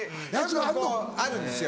よくこうあるんですよ。